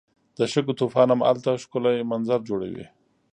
د شګو طوفان هم هلته ښکلی منظر جوړوي.